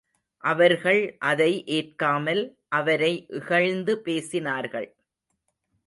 அவர்கள் அதை ஏற்காமல், அவரை இகழ்ந்து பேசினார்கள்.